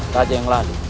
raja yang lalu